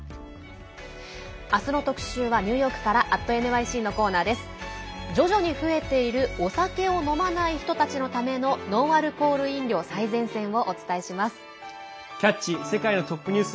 明日の特集はニューヨークから「＠ｎｙｃ」のコーナーです。